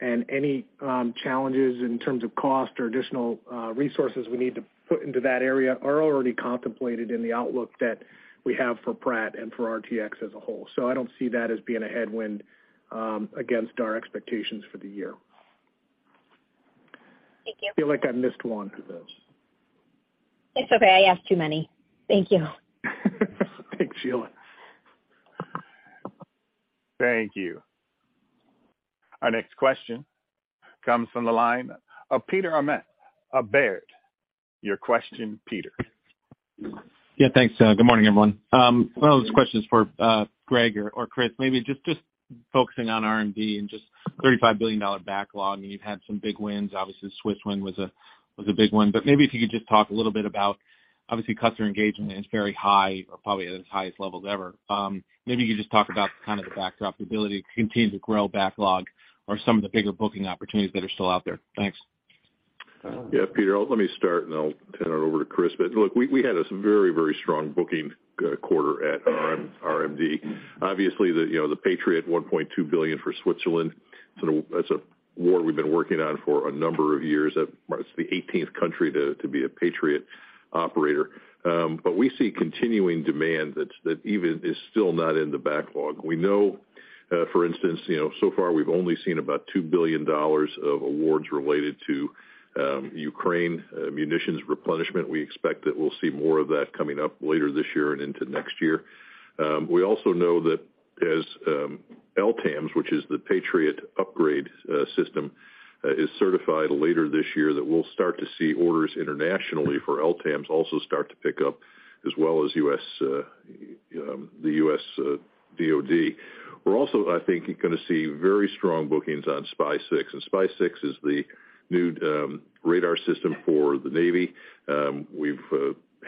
Any challenges in terms of cost or additional resources we need to put into that area are already contemplated in the outlook that we have for Pratt and for RTX as a whole. I don't see that as being a headwind against our expectations for the year. Thank you. I feel like I missed one of those. It's okay. I asked too many. Thank you. Thanks, Sheila. Thank you. Our next question comes from the line of Peter Arment of Baird. Your question, Peter. Yeah, thanks. Good morning, everyone. Well this question is for Greg or Chris. Maybe just focusing on RMD and just $35 billion backlog. I mean, you've had some big wins. Obviously, the Swiss win was a big one. Maybe if you could just talk a little bit about, obviously customer engagement is very high or probably at its highest levels ever. Maybe you could just talk about kind of the backdrop ability to continue to grow backlog or some of the bigger booking opportunities that are still out there? Thanks. Yeah, Peter, let me start and I'll hand it over to Chris. Look, we had a very, very strong booking quarter at RM-RMD. Obviously, you know, the Patriot $1.2 billion for Switzerland. That's a war we've been working on for a number of years. It's the eighteenth country to be a Patriot operator. We see continuing demand that even is still not in the backlog. We know, for instance, you know, so far we've only seen about $2 billion of awards related to Ukraine munitions replenishment. We expect that we'll see more of that coming up later this year and into next year. We also know that as LTAMDS, which is the Patriot upgrade system, is certified later this year, that we'll start to see orders internationally for LTAMDS also start to pick up as well as the U.S. DoD. We're also, I think, gonna see very strong bookings on SPY-6. SPY-6 is the new radar system for the Navy. We've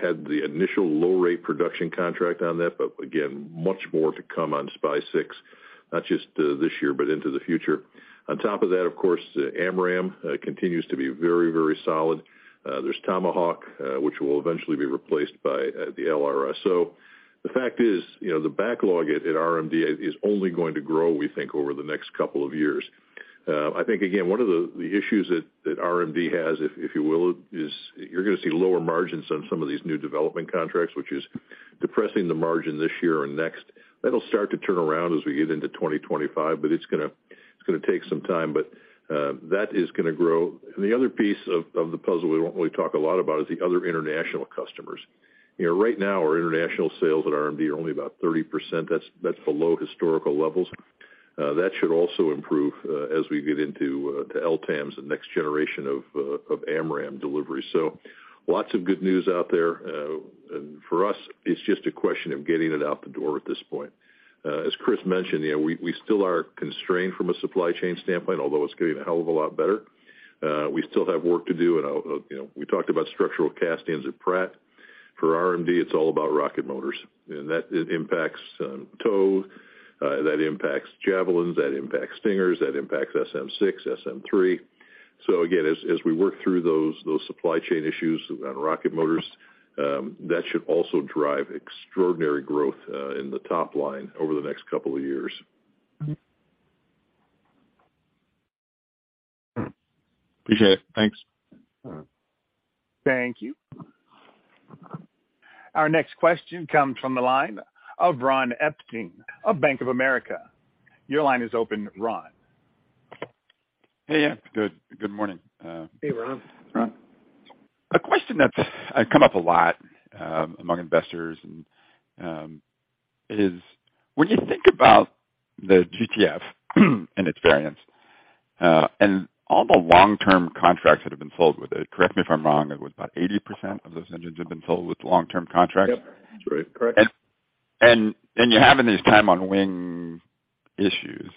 had the initial low rate production contract on that, but again, much more to come on SPY-6, not just this year but into the future. On top of that, of course, AMRAAM continues to be very, very solid. There's Tomahawk, which will eventually be replaced by the LRSO. The fact is, you know, the backlog at RMD is only going to grow, we think, over the next couple of years. I think again, one of the issues that RMD has, if you will, is you're gonna see lower margins on some of these new development contracts, which is depressing the margin this year and next. That'll start to turn around as we get into 2025, but it's gonna take some time, but that is gonna grow. The other piece of the puzzle we won't really talk a lot about is the other international customers. You know, right now, our international sales at RMD are only about 30%. That's below historical levels. That should also improve as we get into to LTAMDS and next generation of AMRAAM delivery. Lots of good news out there. For us, it's just a question of getting it out the door at this point. As Chris mentioned, you know, we still are constrained from a supply chain standpoint, although it's getting a hell of a lot better. We still have work to do. You know, we talked about structural castings at Pratt. For RMD, it's all about rocket motors, it impacts TOW, that impacts Javelins, that impacts Stingers, that impacts SM-6, SM-3. Again, as we work through those supply chain issues on rocket motors, that should also drive extraordinary growth in the top line over the next couple of years. Mm-hmm. Appreciate it. Thanks. All right. Thank you. Our next question comes from the line of Ronald Epstein of Bank of America. Your line is open, Ron. Hey. Yeah, good morning. Hey, Ron. Ron. A question that's come up a lot among investors is when you think about the GTF and its variants and all the long-term contracts that have been sold with it, correct me if I'm wrong, it was about 80% of those engines have been sold with long-term contracts? Yep. That's right. Correct. You're having these time on wing issues.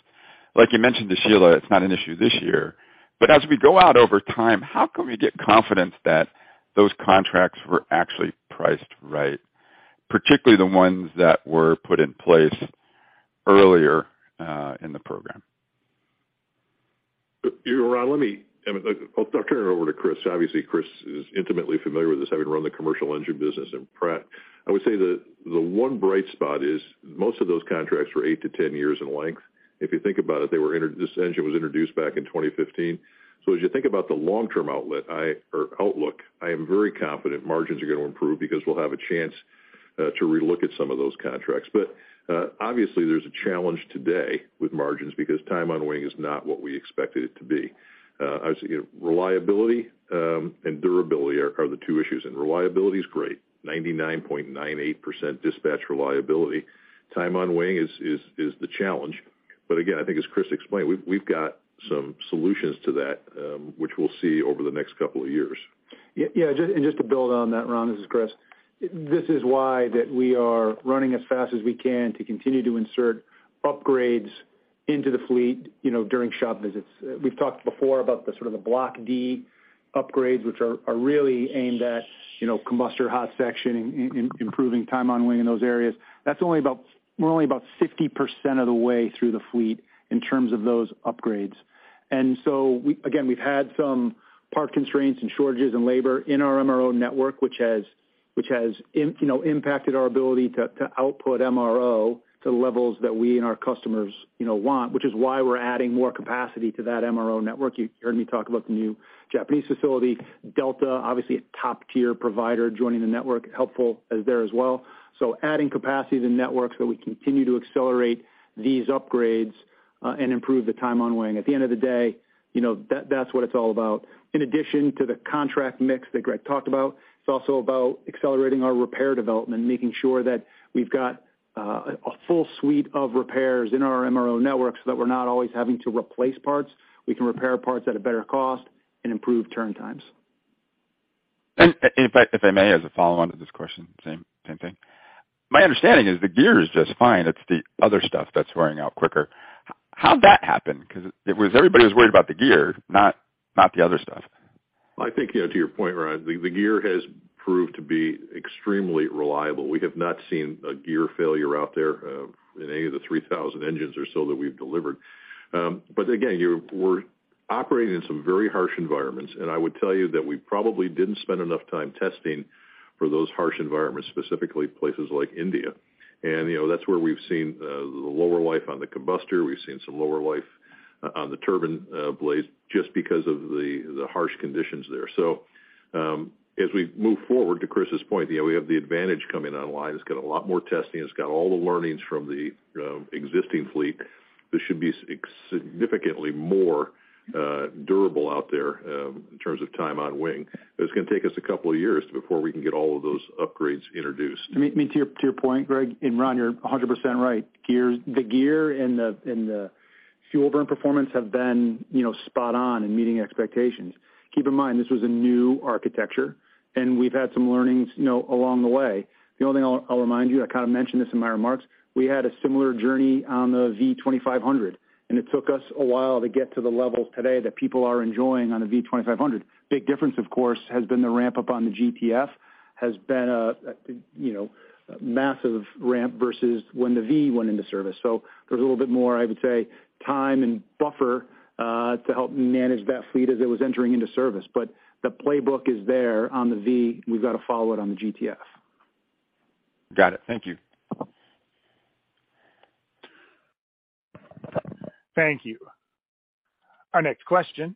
Like you mentioned to Sheila, it's not an issue this year. But as we go out over time, how can we get confidence that those contracts were actually priced right? Particularly the ones that were put in place earlier in the program. You know, Ron, I mean, look, I'll turn it over to Chris. Obviously, Chris is intimately familiar with this, having run the commercial engine business in Pratt. I would say that the one bright spot is most of those contracts were eight-10 years in length. If you think about it, this engine was introduced back in 2015. As you think about the long-term outlook, I am very confident margins are gonna improve because we'll have a chance to relook at some of those contracts. Obviously, there's a challenge today with margins because time on wing is not what we expected it to be. Obviously, you know, reliability, and durability are the two issues, and reliability is great. 99.98% dispatch reliability. Time on wing is the challenge. Again, I think as Chris explained, we've got some solutions to that, which we'll see over the next couple of years. Yeah. Just to build on that, Ronald Epstein, this is Christopher Calio. This is why that we are running as fast as we can to continue to insert upgrades into the fleet, you know, during shop visits. We've talked before about the sort of the Block D upgrades, which are really aimed at, you know, combustor hot section, improving time on wing in those areas. That's only about we're only about 50% of the way through the fleet in terms of those upgrades. Again, we've had some part constraints and shortages in labor in our MRO network, which has, you know, impacted our ability to output MRO to levels that we and our customers, you know, want, which is why we're adding more capacity to that MRO network. You heard me talk about the new Japanese facility. Delta, obviously a top-tier provider joining the network, helpful as there as well. Adding capacity to networks that we continue to accelerate these upgrades and improve the time on wing. At the end of the day, you know, that's what it's all about. In addition to the contract mix that Greg talked about, it's also about accelerating our repair development, making sure that we've got a full suite of repairs in our MRO network so that we're not always having to replace parts. We can repair parts at a better cost and improve turn times. In fact, if I may, as a follow-on to this question, same thing. My understanding is the gear is just fine, it's the other stuff that's wearing out quicker. How'd that happen? 'Cause it was everybody was worried about the gear, not the other stuff. I think, you know, to your point, Ron, the gear has proved to be extremely reliable. We have not seen a gear failure out there in any of the 3,000 engines or so that we've delivered. Again, we're operating in some very harsh environments, and I would tell you that we probably didn't spend enough time testing for those harsh environments, specifically places like India. You know, that's where we've seen the lower life on the combustor, we've seen some lower life on the turbine blades just because of the harsh conditions there. As we move forward to Chris's point, you know, we have the GTF Advantage coming online. It's got a lot more testing, it's got all the learnings from the existing fleet. This should be significantly more durable out there, in terms of time on wing. It's gonna take us a couple of years before we can get all of those upgrades introduced. To me, to your point, Greg, and Ron, you're 100% right. Gears, the gear and the fuel burn performance have been, you know, spot on in meeting expectations. Keep in mind, this was a new architecture, and we've had some learnings, you know, along the way. The only thing I'll remind you, I kind of mentioned this in my remarks, we had a similar journey on the V2500, and it took us a while to get to the levels today that people are enjoying on a V2500. Big difference, of course, has been the ramp up on the GTF, has been a, you know, massive ramp versus when the V went into service. There's a little bit more, I would say, time and buffer to help manage that fleet as it was entering into service. The playbook is there on the V. We've got to follow it on the GTF. Got it. Thank you. Thank you. Our next question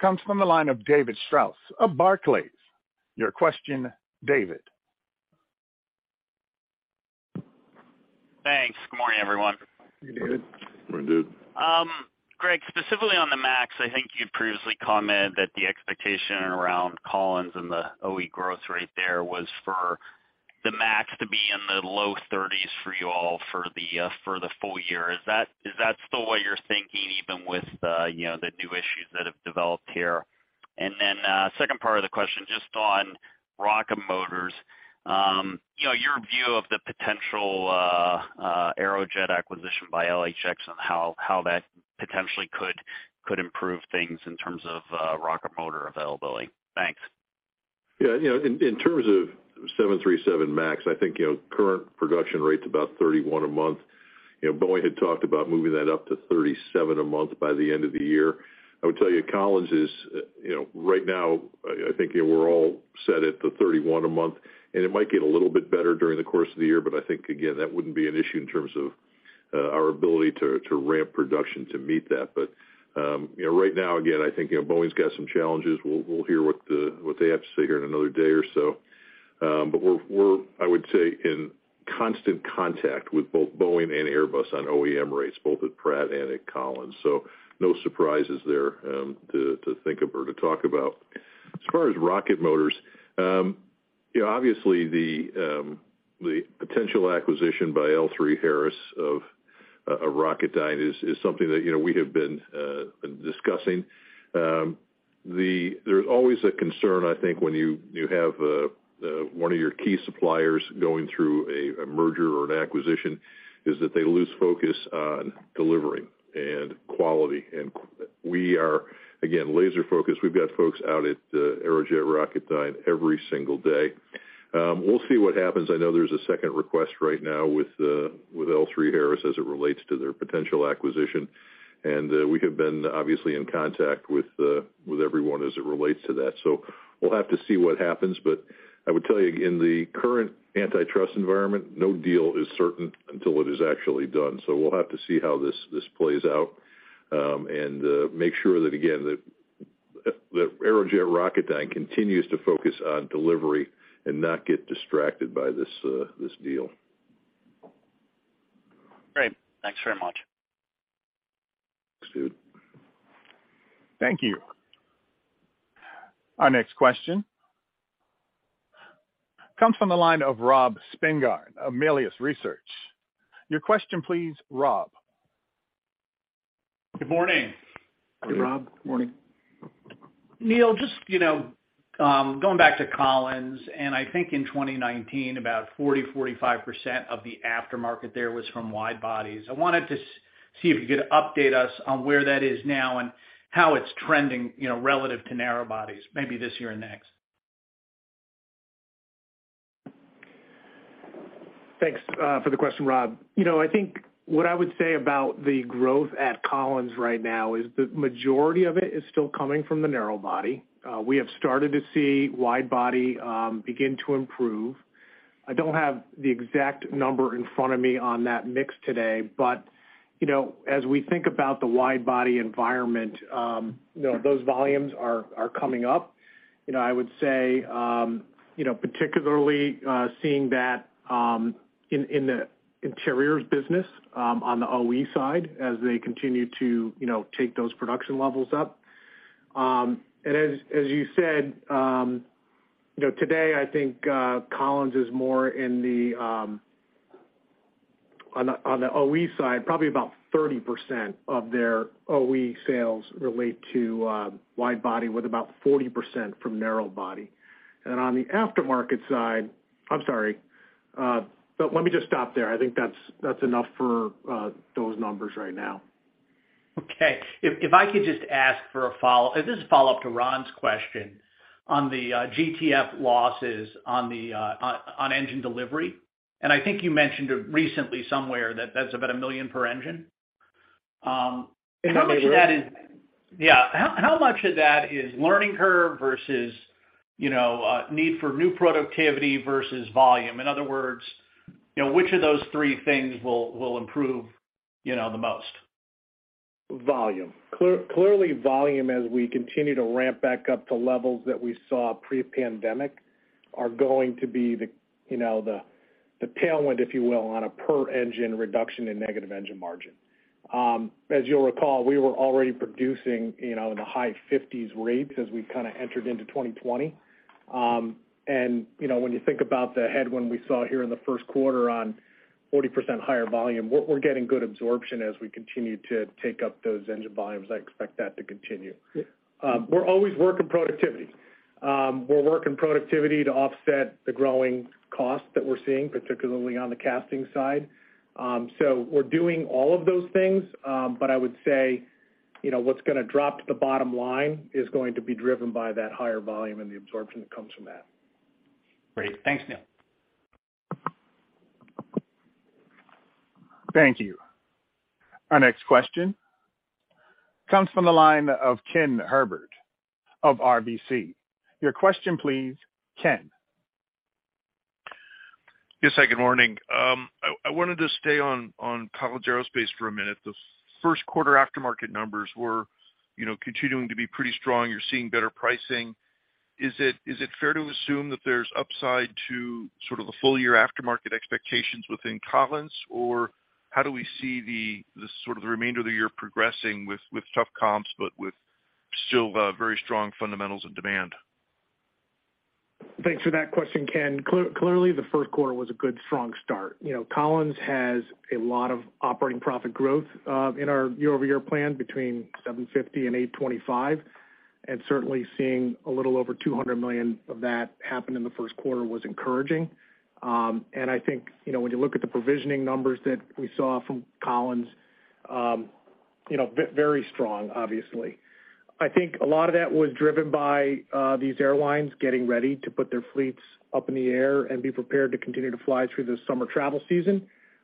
comes from the line of David Strauss of Barclays. Your question, David. Thanks. Good morning, everyone. Hey, David. Good morning, David. Greg, specifically on the MAX, I think you previously commented that the expectation around Collins and the OE growth rate there was for the MAX to be in the low 30s for you all for the full year. Is that still what you're thinking even with, you know, the new issues that have developed here? Second part of the question, just on rocket motors, you know, your view of the potential Aerojet acquisition by L3Harris and how that potentially could improve things in terms of rocket motor availability. Thanks. Yeah. You know, in terms of 737 MAX, I think, you know, current production rate's about 31 a month. You know, Boeing had talked about moving that up to 37 a month by the end of the year. I would tell you, Collins is, you know, right now, I think, you know, we're all set at the 31 a month, and it might get a little bit better during the course of the year, but I think, again, that wouldn't be an issue in terms of our ability to ramp production to meet that. You know, right now, again, I think, you know, Boeing's got some challenges. We'll hear what they have to say here in another day or so. We're, we're, I would say, in constant contact with both Boeing and Airbus on OEM rates, both at Pratt and at Collins. No surprises there, to think of or to talk about. As far as rocket motors, you know, obviously the potential acquisition by L3Harris of Rocketdyne is something that, you know, we have been discussing. There's always a concern, I think, when you have one of your key suppliers going through A merger or an acquisition is that they lose focus on delivering and quality. We are, again, laser focused. We've got folks out at Aerojet Rocketdyne every single day. We'll see what happens. I know there's a second request right now with L3Harris as it relates to their potential acquisition. We have been obviously in contact with everyone as it relates to that. We'll have to see what happens. I would tell you, in the current antitrust environment, no deal is certain until it is actually done. We'll have to see how this plays out and make sure that again, that Aerojet Rocketdyne continues to focus on delivery and not get distracted by this deal. Great. Thanks very much. Thanks, dude. Thank you. Our next question comes from the line of Robert Spingarn of Melius Research. Your question, please, Rob. Good morning. Hey, Rob. Good morning. Neil, just, you know, going back to Collins, I think in 2019, about 40%-45% of the aftermarket there was from wide bodies. I wanted to see if you could update us on where that is now and how it's trending, you know, relative to narrow bodies, maybe this year and next. Thanks for the question, Rob. You know, I think what I would say about the growth at Collins right now is the majority of it is still coming from the narrow body. We have started to see wide body begin to improve. I don't have the exact number in front of me on that mix today, but, you know, as we think about the wide body environment, you know, those volumes are coming up. You know, I would say, you know, particularly, seeing that in the interiors business on the OE side as they continue to, you know, take those production levels up. As you said, you know, today, I think Collins is more in the OE side, probably about 30% of their OE sales relate to wide body with about 40% from narrow body. On the aftermarket side... I'm sorry. Let me just stop there. I think that's enough for those numbers right now. Okay. If I could just ask for a follow-up to Ron's question on the GTF losses on the on engine delivery. I think you mentioned it recently somewhere that that's about $1 million per engine. In our measure? Yeah. How much of that is learning curve versus, you know, need for new productivity versus volume? In other words, you know, which of those three things will improve, you know, the most? Volume. Clearly volume as we continue to ramp back up to levels that we saw pre-pandemic are going to be the, you know, the tailwind, if you will, on a per engine reduction in negative engine margin. As you'll recall, we were already producing, you know, in the high 50s rates as we kind of entered into 2020. And, you know, when you think about the headwind we saw here in the first quarter on 40% higher volume, we're getting good absorption as we continue to take up those engine volumes. I expect that to continue. We're always working productivity. We're working productivity to offset the growing costs that we're seeing, particularly on the casting side. We're doing all of those things. I would say, you know, what's gonna drop to the bottom line is going to be driven by that higher volume and the absorption that comes from that. Great. Thanks, Neil. Thank you. Our next question comes from the line of Kenneth Herbert of RBC. Your question, please, Ken. Yes, sir. Good morning. I wanted to stay on Collins Aerospace for a minute. The first quarter aftermarket numbers were, you know, continuing to be pretty strong. You're seeing better pricing. Is it fair to assume that there's upside to sort of the full year aftermarket expectations within Collins? Or how do we see the sort of the remainder of the year progressing with tough comps, but with still very strong fundamentals and demand? Thanks for that question, Ken. Clearly, the 1st quarter was a good, strong start. You know, Collins has a lot of operating profit growth in our year-over-year plan between $750 million and $825 million, and certainly seeing a little over $200 million of that happen in the 1st quarter was encouraging. I think, you know, when you look at the provisioning numbers that we saw from Collins, you know, very strong, obviously. I think a lot of that was driven by these airlines getting ready to put their fleets up in the air and be prepared to continue to fly through the summer travel season.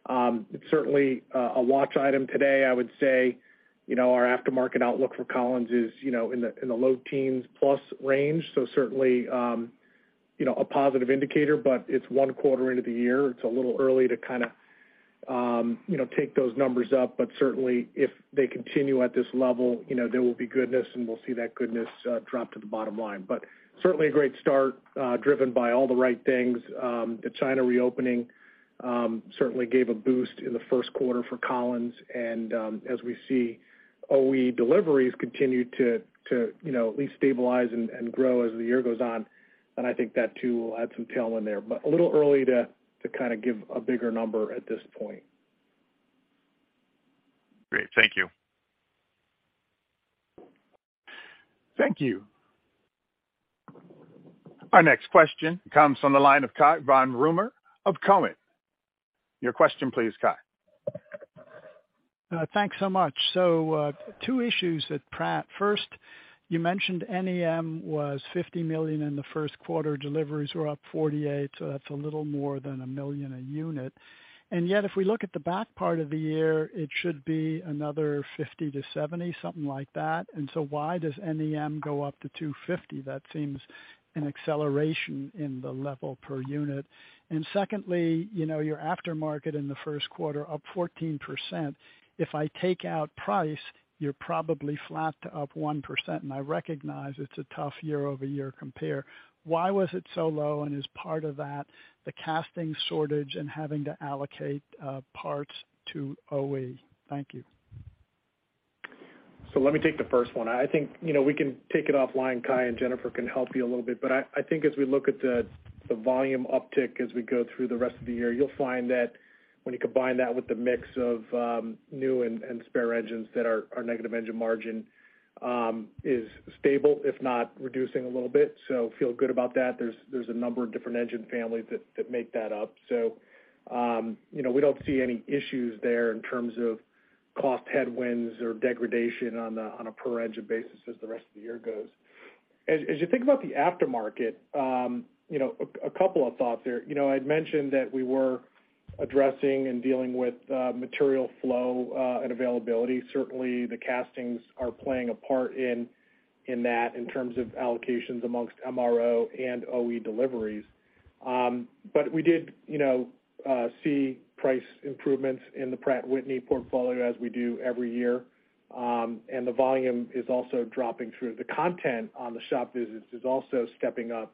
It's certainly a watch item today. I would say, you know, our aftermarket outlook for Collins is, you know, in the low teens plus range. Certainly, you know, a positive indicator, but it's one quarter into the year. It's a little early to kinda, you know, take those numbers up. Certainly if they continue at this level, you know, there will be goodness, and we'll see that goodness drop to the bottom line. Certainly a great start, driven by all the right things. The China reopening certainly gave a boost in the first quarter for Collins. As we see OE deliveries continue to, you know, at least stabilize and grow as the year goes on, and I think that too will add some tailwind there. A little early to kind of give a bigger number at this point. Great. Thank you. Thank you. Our next question comes from the line of Cai von Rumohr of Cowen. Your question please, Cai. Thanks so much. Two issues at Pratt. First, you mentioned NEM was $50 million in the first quarter, deliveries were up 48, so that's a little more than $1 million a unit. Yet, if we look at the back part of the year, it should be another $50 million-$70 million, something like that. Why does NEM go up to $250 million? That seems an acceleration in the level per unit. Secondly, you know, your aftermarket in the first quarter up 14%. If I take out price, you're probably flat to up 1%, and I recognize it's a tough year-over-year compare. Why was it so low? Is part of that the casting shortage and having to allocate parts to OE? Thank you. Let me take the first one. I think, you know, we can take it offline, Cai, and Jennifer can help you a little bit. I think as we look at the volume uptick as we go through the rest of the year, you'll find that when you combine that with the mix of new and spare engines that our negative engine margin is stable, if not reducing a little bit. Feel good about that. There's a number of different engine families that make that up. You know, we don't see any issues there in terms of cost headwinds or degradation on a per-engine basis as the rest of the year goes. As you think about the aftermarket, you know, a couple of thoughts there. You know, I'd mentioned that we were addressing and dealing with material flow and availability. Certainly, the castings are playing a part in that in terms of allocations amongst MRO and OE deliveries. We did, you know, see price improvements in the Pratt & Whitney portfolio as we do every year. The volume is also dropping through. The content on the shop visits is also stepping up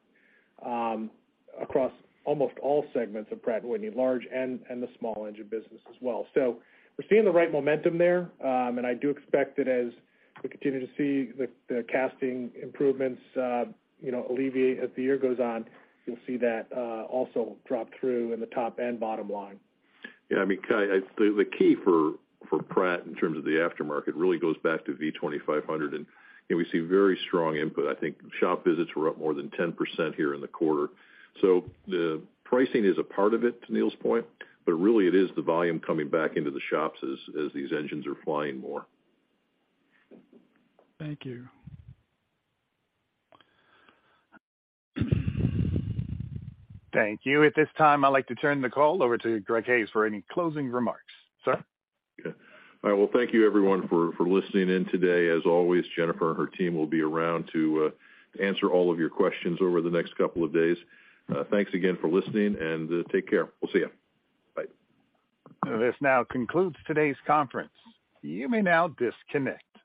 across almost all segments of Pratt & Whitney, large and the small engine business as well. We're seeing the right momentum there. I do expect that as we continue to see the casting improvements, you know, alleviate as the year goes on, you'll see that also drop through in the top and bottom line. I mean, Cai, the key for Pratt in terms of the aftermarket really goes back to V2500, and, you know, we see very strong input. I think shop visits were up more than 10% here in the quarter. The pricing is a part of it, to Neil's point, but really it is the volume coming back into the shops as these engines are flying more. Thank you. Thank you. At this time, I'd like to turn the call over to Greg Hayes for any closing remarks. Sir? Okay. All right. Thank you everyone for listening in today. As always, Jennifer and her team will be around to answer all of your questions over the next couple of days. Thanks again for listening, and take care. We'll see you. Bye. This now concludes today's conference. You may now disconnect.